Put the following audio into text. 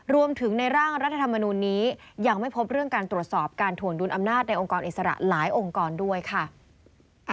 รวมถึงในร่างรัฐธรรมนูลนี้ยังไม่พบเรื่องการตรวจสอบการถวงดุลอำนาจในองค์กรอิสระหลายองค์กรด้วยค่ะ